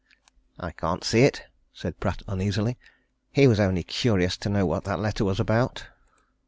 "I can't see it," said Pratt uneasily. "He was only curious to know what that letter was about."